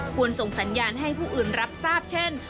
ส่งสัญญาณให้ผู้อื่นรับทราบเช่น